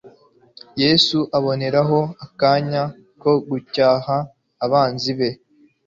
Yesu aboneraho akanya ko gucyaha abanzi be.